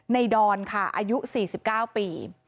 ดอนค่ะอายุ๔๙ปี